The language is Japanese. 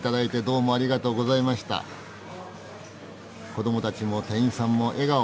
子どもたちも店員さんも笑顔。